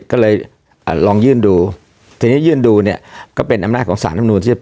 ก็เลยลองยื่นดูทีนี้ยื่นดูเนี่ยก็เป็นอำนาจของสารธรรมนูนที่จะ